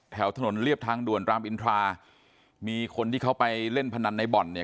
แถวถนนเรียบทางด่วนรามอินทรามีคนที่เขาไปเล่นพนันในบ่อนเนี่ย